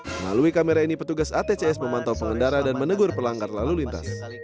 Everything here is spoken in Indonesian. melalui kamera ini petugas atcs memantau pengendara dan menegur pelanggar lalu lintas